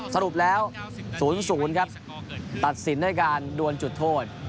สรุปแล้ว๐๐ครับตัดสินด้วยการดวนจุดโทษ